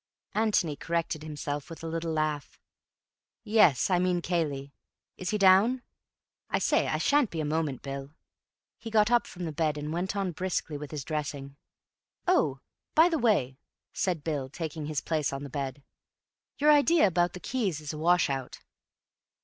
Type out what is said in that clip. Antony corrected himself with a little laugh. "Yes, I mean Cayley. Is he down? I say, I shan't be a moment, Bill." He got up from the bed and went on briskly with his dressing. "Oh, by the way," said Bill, taking his place on the bed, "your idea about the keys is a wash out."